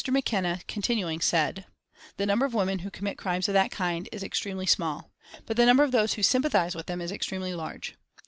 McKenna continuing said: "The number of women who commit crimes of that kind is extremely small, but the number of those who sympathise with them is extremely large.